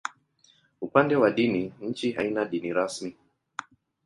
Upande wa dini, nchi haina dini rasmi.